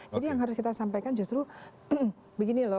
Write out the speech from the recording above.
jadi yang harus kita sampaikan justru begini loh